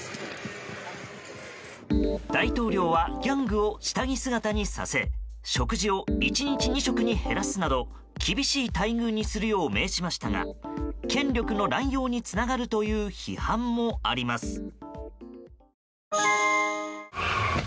大統領はギャングを下着姿にさせ食事を１日２食に減らすなど厳しい待遇にするよう命じましたが権力の乱用につながるという批判もあります。